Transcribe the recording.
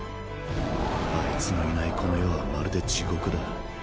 あいつのいないこの世はまるで地獄だ。